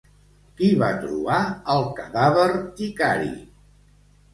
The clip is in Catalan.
Qui va trobar el cadàver d'Icari?